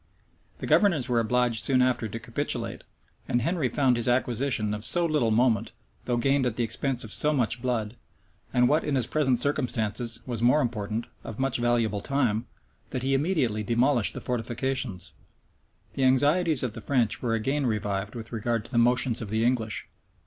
The governors were obliged soon after to capitulate; and Henry found his acquisition of so little moment, though gained at the expense of some blood, and what, in his present circumstances, was more important, of much valuable time, that he immediately demolished the fortifications. The anxieties of the French were again revived with regard to the motions of the English.